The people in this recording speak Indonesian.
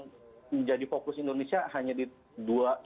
nah ini aja yang menjadi fokus indonesia hanya di dua